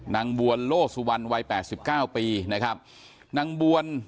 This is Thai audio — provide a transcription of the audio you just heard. นางบวลโลตสุวันย์วัย๘๙ปีนะครับ